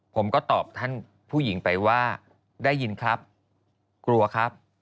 ผมก็ตอบท่านผู้หญิงไปว่าได้ยินครับกลัวครับ